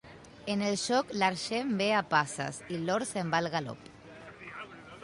En el joc l'argent ve a passes i l'or se'n va al galop.